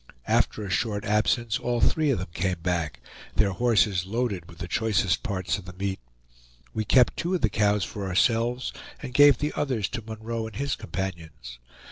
After a short absence all three of them came back, their horses loaded with the choicest parts of the meat; we kept two of the cows for ourselves and gave the others to Munroe and his companions.